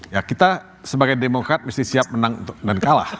ya kita sebagai demokrat mesti siap menang dan kalah